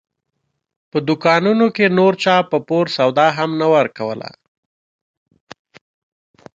په دوکانونو کې نور چا په پور سودا هم نه ورکوله.